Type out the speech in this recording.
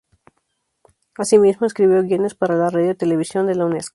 Asimismo, escribió guiones para la Radio Televisión de la Unesco.